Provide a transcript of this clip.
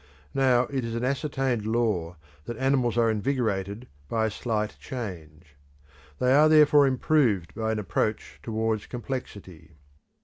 Now it is an ascertained law that animals are invigorated by a slight change; they are therefore improved by an approach towards complexity.